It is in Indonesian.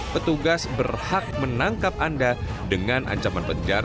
petugas berhak menangkap anda dengan ancaman penjara maksimal enam puluh hari